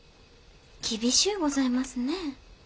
厳しゅうございますね。